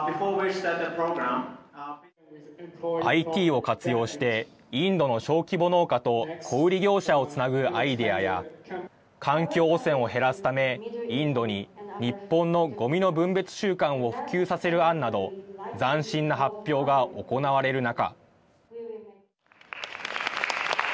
ＩＴを活用してインドの小規模農家と小売り業者をつなぐアイデアや環境汚染を減らすためインドに日本のごみの分別習慣を普及させる案など斬新な発表が行われる中。